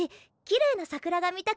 きれいな桜？